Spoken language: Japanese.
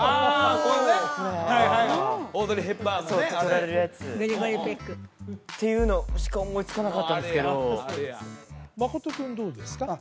これはいはいオードリー・ヘプバーンのね取られるやつうんうんっていうのしか思いつかなかったですけど真君どうですか？